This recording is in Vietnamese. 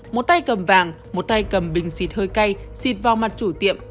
một tay cầm vàng một tay cầm bình xịt hơi cay xịt vào mặt chủ tiệm